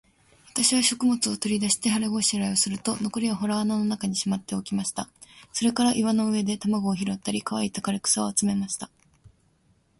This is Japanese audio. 私は食物を取り出して、腹ごしらえをすると、残りは洞穴の中にしまっておきました。それから岩の上で卵を拾ったり、乾いた枯草を集めました。